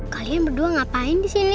kalian berdua ngapain disini